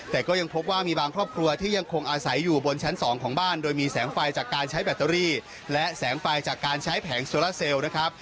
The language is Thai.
แต่ก็ยังพบว่ามีบางครอบครัวที่ยังคงอาศัยอยู่บนชั้นสองของบ้านโดยมีแสงไฟจากการใช้แบตเตอรี่และแสงไฟจากการใช้แผงโซลาเซลล์นะครับ